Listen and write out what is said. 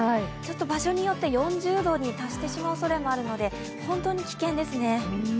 場所によって４０度に達してしまうおそれがあるので本当に危険ですね。